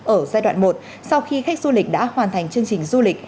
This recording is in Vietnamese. ở giai đoạn một sau khi khách du lịch đã hoàn thành chương trình du lịch